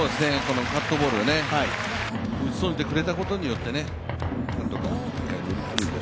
カットボールを打ち損じてくれたことによってゲッツーに。